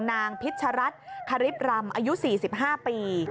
นางพิชรัฐคริปรำอายุ๔๕ปี